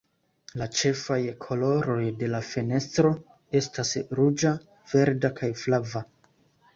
La ĉefaj koloroj de la fenestro estas ruĝa, verda kaj flava.